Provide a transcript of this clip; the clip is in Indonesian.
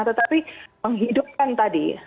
tetapi menghidupkan tadi